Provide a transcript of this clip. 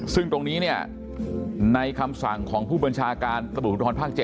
ซึ่งตรงนี้เนี่ยในคำสั่งของผู้บัญชาการตำรวจภูทรภาค๗